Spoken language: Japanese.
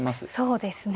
そうですね。